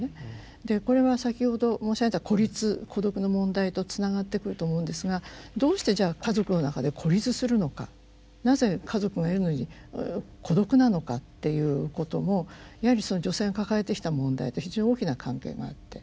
でこれは先ほど申し上げた孤立孤独の問題とつながってくると思うんですがどうしてじゃ家族の中で孤立するのかなぜ家族がいるのに孤独なのかっていうこともやはり女性が抱えてきた問題で非常に大きな関係があって。